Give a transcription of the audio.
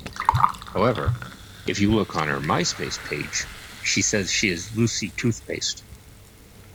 However, if you look on her Myspace page she says she is Lucy Toothpaste.